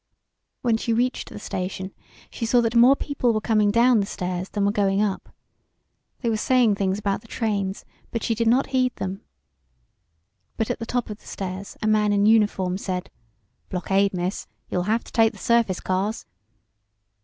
When she reached the station she saw that more people were coming down the stairs than were going up. They were saying things about the trains, but she did not heed them. But at the top of the stairs a man in uniform said: "Blockade, Miss. You'll have to take the surface cars."